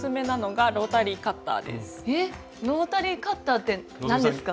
えっロータリーカッターって何ですか？